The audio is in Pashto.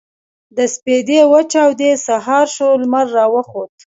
د سپـېدې وچـاودې سـهار شـو لمـر راوخـت.